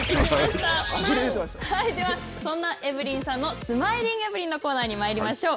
では、そんなエブリンさんのスマイリン・エブリンのコーナーにまいりましょう。